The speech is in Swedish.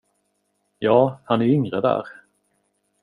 Ja, han är yngre där.